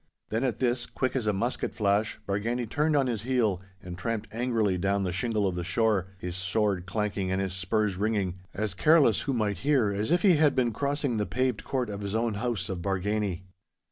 Then at this, quick as a musket flash, Bargany turned on his heel and tramped angrily down the shingle of the shore, his sword clanking and his spurs ringing, as careless who might hear as if he had been crossing the paved court of his own house of Bargany.